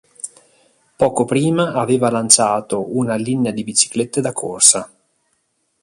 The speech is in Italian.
Poco prima aveva lanciato una linea di biciclette da corsa.